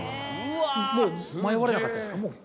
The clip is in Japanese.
もう迷われなかったですか？